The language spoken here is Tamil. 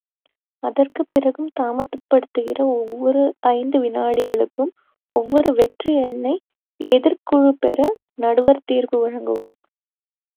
அதற்குப் பிறகும் தாமதப்படுத்துகிற ஒவ்வொரு ஐந்து வினாடிகளுக்கும் ஒவ்வொரு வெற்றி எண்ணை எதிர்க்குழு பெற நடுவர் தீர்ப்பு வழங்குவார்.